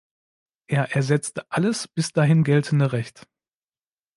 Er ersetzte alles bis dahin geltende Recht.